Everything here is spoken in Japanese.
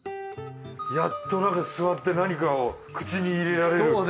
やっと座って何かを口に入れられる。